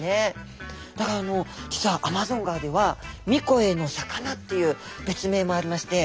だからもう実はアマゾン川では「三声の魚」っていう別名もありまして。